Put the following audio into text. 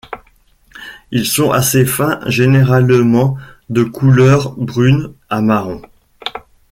Ils sont assez fins, généralement de couleur brune à marron.